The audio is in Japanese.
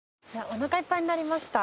おなかいっぱいになりました。